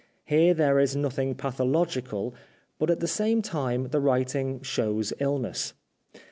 Here there is nothing pathological, but at the same time the writing shows illness.